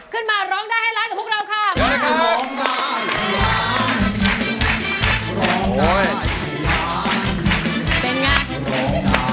ขึ้นมาร้องด้าให้ร้านกับพวกเราค่ะ